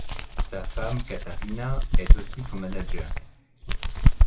Sa femme Katharina est aussi son manager.